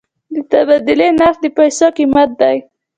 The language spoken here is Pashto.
د تبادلې نرخ د پیسو قیمت دی.